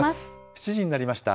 ７時になりました。